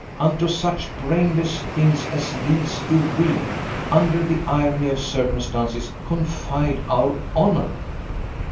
Unto such brainless things as these do we, under the irony of circumstances, confide our honour!